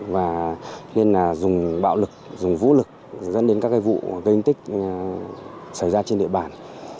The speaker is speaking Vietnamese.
và nên là dùng bạo lực dùng vũ lực dẫn đến các vụ gây thương tích xảy ra trên địa bàn